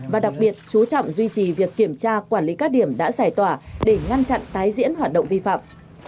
và đặc biệt chú trọng duy trì việc kiểm tra quản lý các điểm đã giải tỏa để ngăn chặn tái diễn hoạt động vi phạm